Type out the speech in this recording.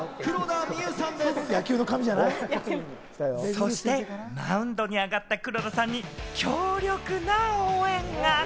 そしてマウンドに上がった黒田さんに強力な応援が！